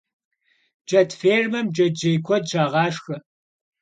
Джэд фермэм джэджьей куэд щагъашхэ.